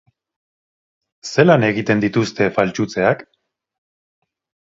Zelan egiten dituzte faltsutzeak?